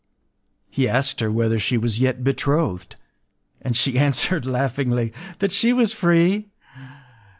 He asked her whether she was yet betrothed; and she answered, laughingly, that she was free.